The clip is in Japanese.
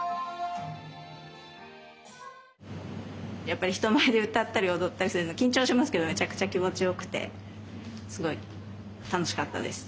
やっぱり人前で歌ったり踊ったりすると緊張しますけどめちゃくちゃ気持ち良くてすごい楽しかったです。